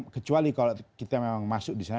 kecuali kalau kita memang masuk disana